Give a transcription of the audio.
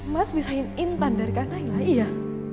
mas bisain intan dari kak naila iya